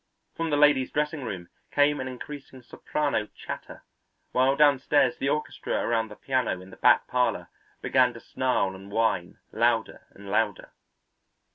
From the ladies' dressing room came an increasing soprano chatter, while downstairs the orchestra around the piano in the back parlour began to snarl and whine louder and louder.